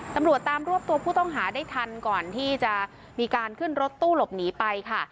ตำรวจตามรวบตัวผู้ต้องหาได้ทันก่อนที่จะมีการขึ้นรถตู้หลบหนีไปค่ะ